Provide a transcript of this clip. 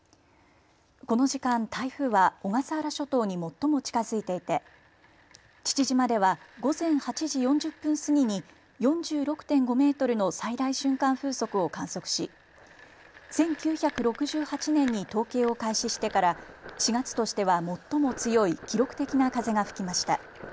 この時間、台風は小笠原諸島に最も近づいていて父島では午前８時４０分過ぎに４６．５メートルの最大瞬間風速を観測し１９６８年に統計を開始してから４月としては最も強い記録的な風が吹きました。